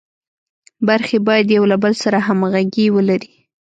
برخې باید یو له بل سره همغږي ولري.